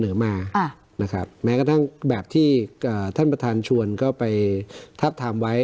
มานะครับแม้กระทั่งแบบที่ท่านประธานชวนก็ไปทับทามไว้